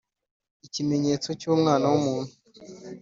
ikimenyetso cy Umwana w umuntu